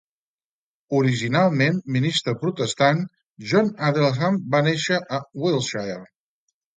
Originalment ministre protestant, John Adelham va nàixer a Wiltshire.